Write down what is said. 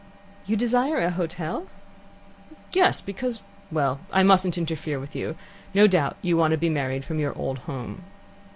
"You desire a hotel?" "Yes, because well, I mustn't interfere with you. No doubt you want to be married from your old home."